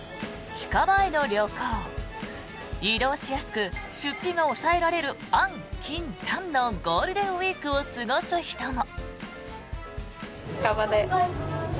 近場への旅行移動しやすく出費が抑えられる安近短のゴールデンウィークを過ごす人も。